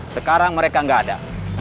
sekarang mereka nggak ada